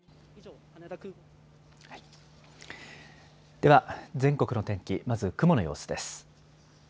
では、全国の天気、まず雲の様子です。